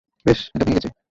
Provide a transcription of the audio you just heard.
বেশ, এটা ভেঙ্গে গেছে।